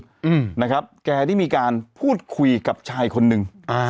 อืมนะครับแกได้มีการพูดคุยกับชายคนหนึ่งอ่า